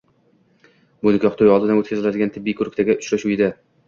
Bu nikoh to`yi oldidan o`tkaziladigan tibbiy ko`rikdagi uchrashuv edi